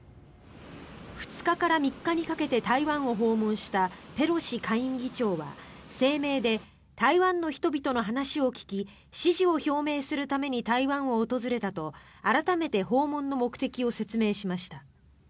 ２日から３日にかけて台湾を訪問したペロシ下院議長は声明で台湾の人々の話を聞き支持を表明するために台湾を訪れたと改めて訪問の目的を説明しました。